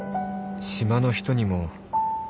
島の人にも